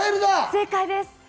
正解です。